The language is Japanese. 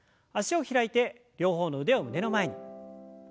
脚を開いて両方の腕を胸の前に。